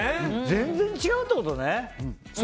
全然違うってことね。